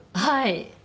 はい。